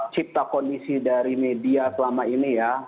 cipta kondisi dari media selama ini ya